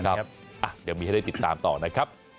เดี๋ยวมีให้ได้ติดตามต่อนะครับ